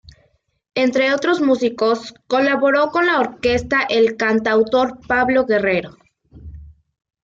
Entre otros músicos, colaboró con la Orquesta el cantautor Pablo Guerrero.